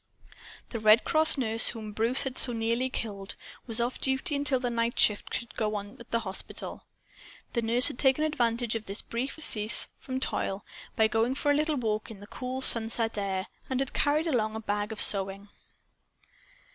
The Red Cross nurse, whom Bruce had so nearly killed, was off duty until the night shift should go on at the hospital. The nurse had taken advantage of this brief surcease from toil, by going for a little walk in the cool sunset air, and had carried along a bag of sewing.